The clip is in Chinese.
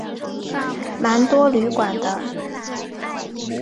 蛮多旅馆的